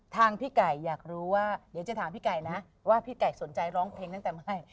พี่ไก่อยากรู้ว่าเดี๋ยวจะถามพี่ไก่นะว่าพี่ไก่สนใจร้องเพลงตั้งแต่ไม่